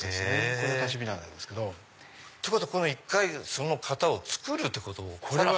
これは立ち雛なんですけども。ってことは１回その型を作るってことから始める？